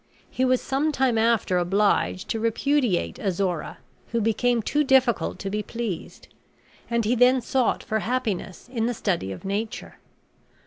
He was some time after obliged to repudiate Azora, who became too difficult to be pleased; and he then sought for happiness in the study of nature.